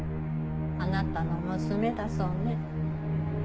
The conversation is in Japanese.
あなたの娘だそうね。